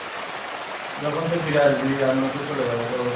যখন তুই ফিরে আসবি, আমি হয়তো চলে যাব, পরবর্তী পোস্টিংয়ে।